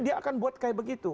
dia akan buat seperti itu